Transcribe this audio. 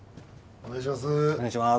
お願いします。